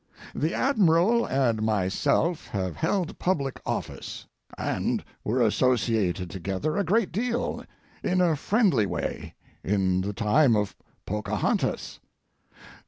The Admiral and myself have held public office, and were associated together a great deal in a friendly way in the time of Pocahontas.